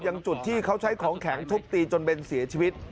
จุดที่เขาใช้ของแข็งทุบตีจนเบนเสียชีวิต